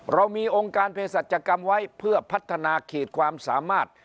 เรามีองค์การเพศสัจกรรมไว้เพื่อพัฒนาขีดความสามารถ